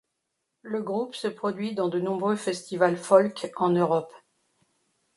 Le groupe se produit dans de nombreux festivals folk en Europe.